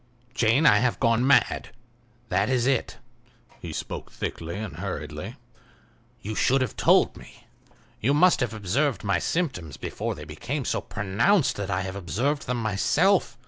"Jane, I have gone mad—that is it." He spoke thickly and hurriedly. "You should have told me; you must have observed my symptoms before they became so pronounced that I have observed them myself.